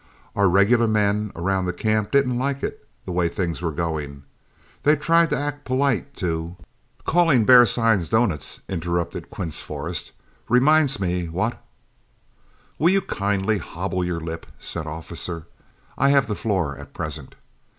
Our regular men around camp didn't like it, the way things were going. They tried to act polite to" "Calling bear sign doughnuts," interrupted Quince Forrest, "reminds me what" "Will you kindly hobble your lip," said Officer; "I have the floor at present.